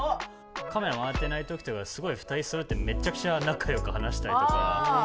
カメラ回ってない時とかすごい２人そろってめっちゃくちゃ仲よく話したりとかしていて。